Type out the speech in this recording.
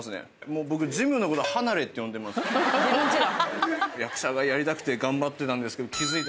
自分ちだ。